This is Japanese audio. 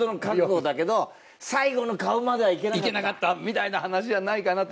いけなかったみたいな話じゃないかなと。